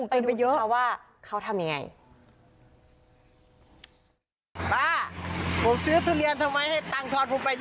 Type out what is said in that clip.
ไปดูเขาว่าเขาทำยังไง